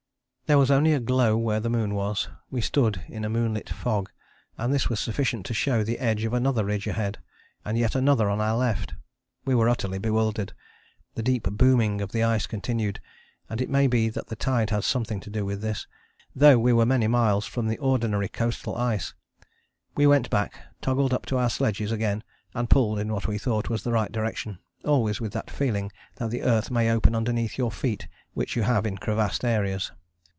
There was only a glow where the moon was; we stood in a moonlit fog, and this was sufficient to show the edge of another ridge ahead, and yet another on our left. We were utterly bewildered. The deep booming of the ice continued, and it may be that the tide has something to do with this, though we were many miles from the ordinary coastal ice. We went back, toggled up to our sledges again and pulled in what we thought was the right direction, always with that feeling that the earth may open underneath your feet which you have in crevassed areas.